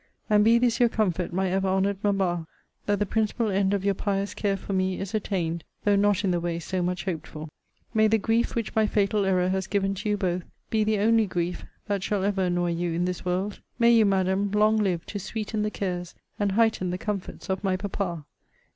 And be this your comfort, my ever honoured Mamma, that the principal end of your pious care for me is attained, though not in the way so much hoped for. May the grief which my fatal error has given to you both, be the only grief that shall ever annoy you in this world! May you, Madam, long live to sweeten the cares, and heighten the comforts, of my papa!